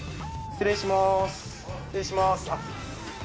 失礼します。